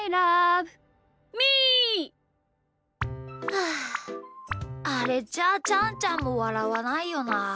はああれじゃちゃんちゃんもわらわないよな。